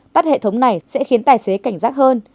tắt hệ thống này sẽ khiến tài xế cảnh giác hơn